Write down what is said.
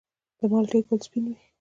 د مالټې ګل سپین وي؟